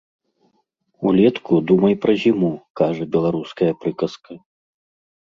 Улетку думай пра зіму, кажа беларуская прыказка.